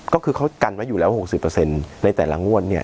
ก็คือเขากันไว้อยู่แล้ว๖๐ในแต่ละงวดเนี่ย